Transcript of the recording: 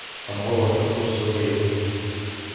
عَنْ عُرْوَةَ بْنِ الزُّبَيْرِ